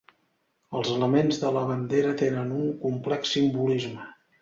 Els elements de la bandera tenen un complex simbolisme.